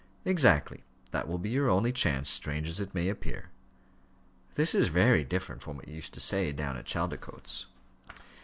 "Exactly: that will be your only chance, strange as it may appear." "This is very different from what you used to say, down at Chaldicotes."